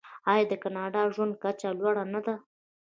آیا د کاناډا ژوند کچه لوړه نه ده؟